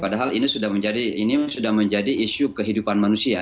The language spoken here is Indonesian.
padahal ini sudah menjadi isu kehidupan manusia